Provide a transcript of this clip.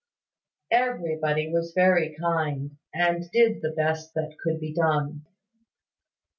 Everybody was very kind, and did the best that could be done.